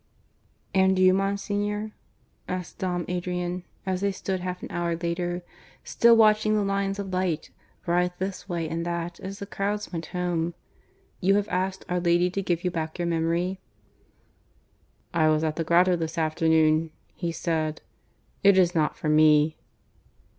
"And you, Monsignor," asked Dom Adrian, as they stood half an hour later, still watching the lines of light writhe this way and that as the crowds went home, "you have asked Our Lady to give you back your memory?" "I was at the grotto this afternoon," he said. "It is not for me."